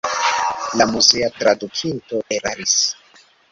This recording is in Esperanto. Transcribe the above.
La muzea tradukinto eraris.